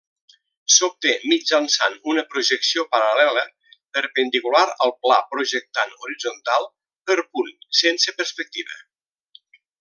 S'obté mitjançant una projecció paral·lela, perpendicular al pla projectant horitzontal, per punt, sense perspectiva.